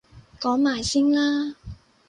講埋先啦